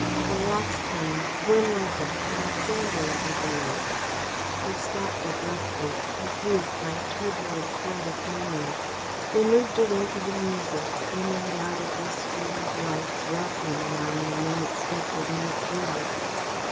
The last time when was it? Alexandria, I believe " He stopped abruptly, confused by a turbulent flood of memory. They moved away to the music, in and out of the string of lights, rocking now in an unexpected night breeze.